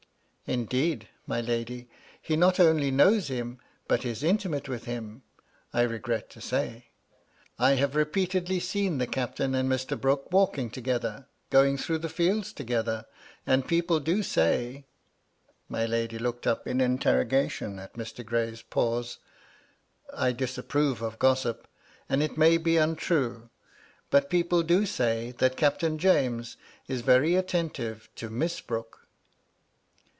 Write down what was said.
" Indeed, my lady, he not only knows him, but is intimate with him, I regret to say. 1 have repeatedly seen the captain and Mr. Brooke walking together ; going through the fields together; and people do My lady looked up in interrogation at Mr. Gray's pause. " I disapprove of gossip, and it may be untrue ; but people do say that Captain James is very attentive to Miss Brooke."